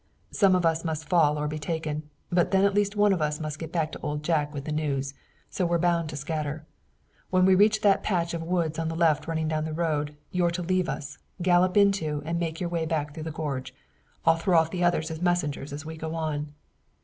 Some of us must fall or be taken, but then at least one of us must get back to Old Jack with the news. So we're bound to scatter. When we reach that patch of woods on the left running down to the road, you're to leave us, gallop into it and make your way back through the gorge. I'll throw off the other messengers as we go on."